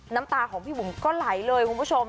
น้ำตาของพี่บุ๋มก็ไหลเลยคุณผู้ชม